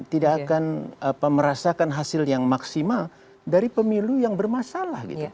tidak akan merasakan hasil yang maksimal dari pemilu yang bermasalah